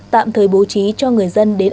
tạm thời bố trí cho người dân đến